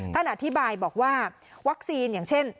ท่านอธิบายบอกว่าวัคซีนอย่างเช่น